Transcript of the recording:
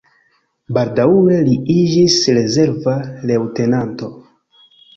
Baldaŭe li iĝis rezerva leŭtenanto.